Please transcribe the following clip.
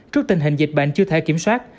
trước tình hình dịch bệnh chưa thể kiểm soát